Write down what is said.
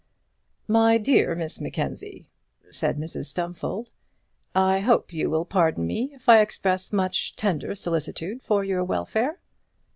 "My dear Miss Mackenzie," said Mrs Stumfold, "I hope you will pardon me if I express much tender solicitude for your welfare."